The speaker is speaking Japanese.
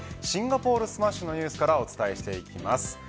シンガポールスマッシュのニュースからお伝えします。